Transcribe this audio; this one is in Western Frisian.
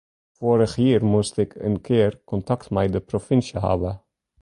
Foarich jier moast ik in kear kontakt mei de provinsje hawwe.